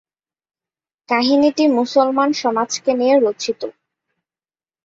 কাহিনীটি মুসলমান সমাজকে নিয়ে রচিত।